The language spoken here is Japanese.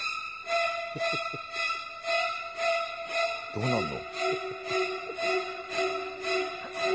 どうなんの？